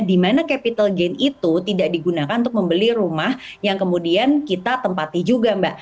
dimana capital gain itu tidak digunakan untuk membeli rumah yang kemudian kita tempati juga mbak